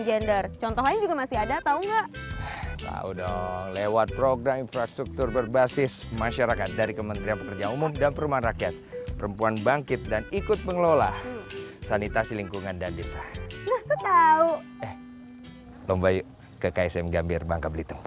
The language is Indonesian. eh lomba yuk ke ksm gambir bangka belitung